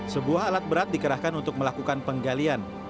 sebuah alat berat dikerahkan untuk melakukan penggalian